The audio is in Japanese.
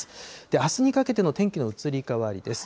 あすにかけての天気の移り変わりです。